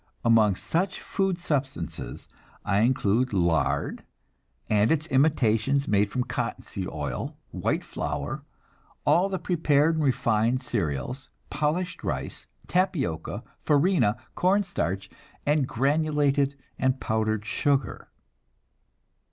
Among such food substances I include lard and its imitations made from cottonseed oil, white flour, all the prepared and refined cereals, polished rice, tapioca, farina, corn starch, and granulated and powdered sugar.